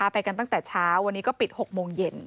ไปกันตั้งแต่เช้าวันนี้ก็ปิด๖โมงเย็น